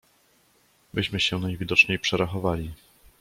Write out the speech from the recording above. "Myśmy się najwidoczniej przerachowali."